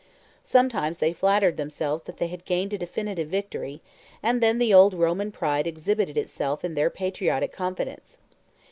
Sometimes they flattered themselves they had gained a definitive victory, and then the old Roman pride exhibited itself in their patriotic confidence.